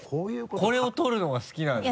これを撮るのが好きなんだ。